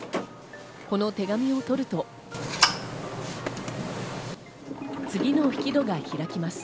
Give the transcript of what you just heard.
この手紙を取ると、次の引き戸が開きます。